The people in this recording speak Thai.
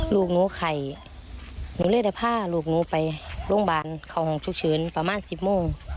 ลูกน้วไข่นูเล่นได้ผ้าลูกนูไปโรงพยาบาลเขาห่องชุกชื้นประมาณ๑๐โมง